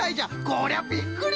こりゃびっくり！